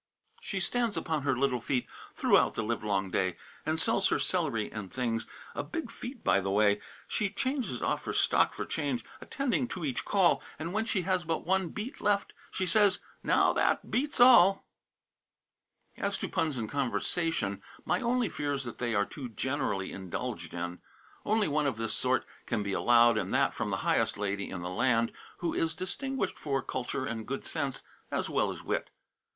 She stands upon her little feet Throughout the livelong day, And sells her celery and things A big feat, by the way. She changes off her stock for change, Attending to each call; And when she has but one beet left, She says, "Now, that beats all." As to puns in conversation, my only fear is that they are too generally indulged in. Only one of this sort can be allowed, and that from the highest lady in the land, who is distinguished for culture and good sense, as well as wit.